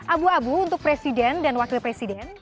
abu abu untuk presiden dan wakil presiden